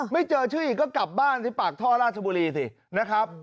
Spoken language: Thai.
ไม่เจอชื่ออีกก็กลับบ้านที่ปากท่อราชบุรีสินะครับ